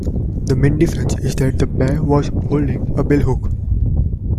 The main difference is that the bear was holding a billhook.